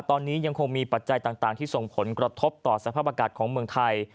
ตอนนี้ยังคงมีปัจจัยต่างที่ส่งผลกระทบต่อสภาพอากาศของเมืองไทย